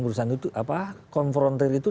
perusahaan itu apa konfrontir itu